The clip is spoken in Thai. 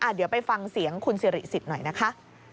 เดี๋ยวไปฟังเสียงคุณสิริสิทธิ์หน่อยนะคะ